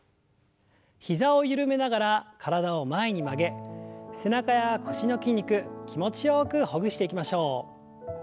膝を緩めながら体を前に曲げ背中や腰の筋肉気持ちよくほぐしていきましょう。